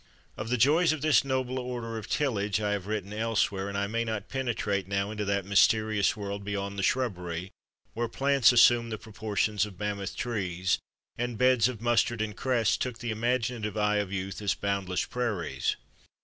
Of the joys of this nobler order of tillage I have written elsewhere, and I may not penetrate now into that mysterious world beyond the shrub bery, where plants assumed the proportions of mammoth trees, and beds of mustard and cress took the imaginative eye of youth as boundless prairies.